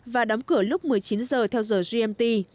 và đóng cửa lúc một mươi chín giờ theo giờ gmt